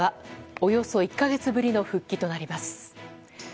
およそ１か月ぶりの復帰となります。